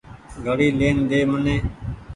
گھڙي لين ۮي مني ۔